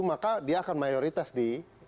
maka dia akan mayoritas di